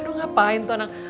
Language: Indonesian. aduh ngapain tuh anak